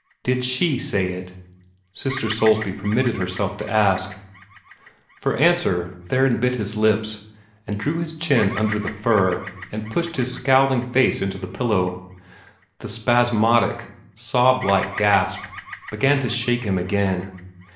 "Did SHE say it?" Sister Soulsby permitted herself to ask. For answer Theron bit his lips, and drew his chin under the fur, and pushed his scowling face into the pillow. The spasmodic, sob like gasps began to shake him again.